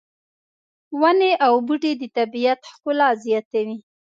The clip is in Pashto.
ونې او بوټي د طبیعت ښکلا زیاتوي